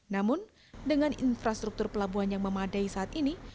namun dengan infrastruktur pelabuhan yang memadai saat ini